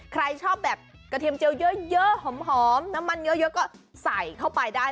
ใครชอบแบบกระเทียมเจียวเยอะหอมน้ำมันเยอะก็ใส่เข้าไปได้